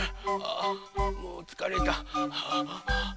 あもうつかれた！